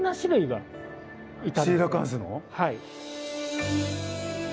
はい。